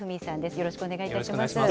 よろしくお願いします。